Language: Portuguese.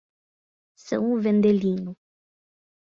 São Vendelino